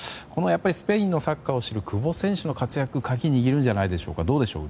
スペインのサッカーを知る久保選手の活躍も鍵を握るんじゃないでしょうかどうでしょう？